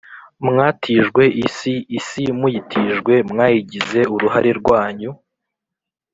mwatijwe isi, isi muyitijwe mwayigize uruhare rwanyu,